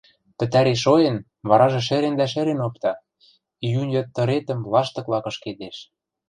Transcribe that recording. Пӹтӓри – шоэн, варажы шӹрен дӓ шӹрен опта, июнь йыд тыретӹм лаштыкла кышкедеш.